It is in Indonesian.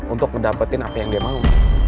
untuk dapetin apa yang dia mau